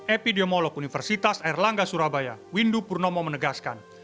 epidemiolog universitas erlangga surabaya windu purnomo menegaskan